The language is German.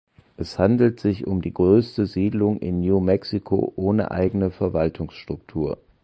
Es handelt sich um die größte Siedlung in New Mexico ohne eigene Verwaltungsstruktur.